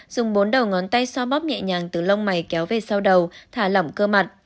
dùng bốn đầu ngón tay xoa bóp nhẹ nhàng từ lông mày kéo về sau đầu thả lỏng cơ mặn